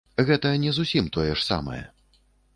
Гэта не зусім тое ж самае.